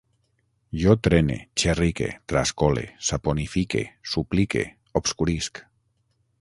Jo trene, xerrique, trascole, saponifique, suplique, obscurisc